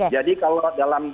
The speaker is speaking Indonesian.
jadi kalau dalam